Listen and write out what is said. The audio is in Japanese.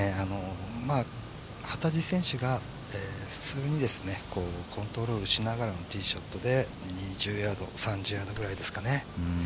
幡地選手が普通にコントロールしながらのティーショットで２０ヤードから３０ヤードぐらいですかね。